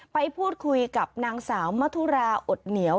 ไปพูดคุยกับนางสาวมทุราอดเหนียว